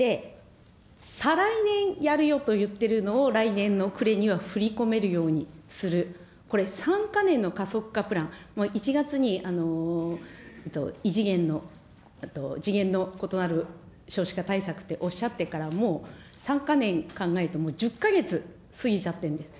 再来年やるよと言っているのを、来年の暮れには振り込めるようにする、これ３か年の加速化プラン、１月に異次元の、次元の異なる少子化対策っておっしゃってからもう３か年考えても、１０か月過ぎちゃってるんです。